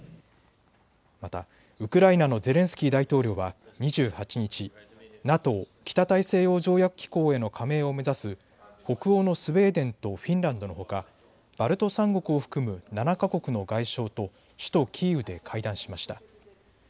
またウクライナのゼレンスキー大統領は２８日、ＮＡＴＯ・北大西洋条約機構への加盟を目指す北欧のスウェーデンとフィンランドのほかバルト３国を含む７か国の外相と首都キーウで会談しました。